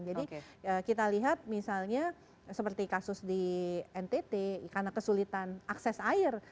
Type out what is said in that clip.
jadi kita lihat misalnya seperti kasus di ntt karena kesulitan akses air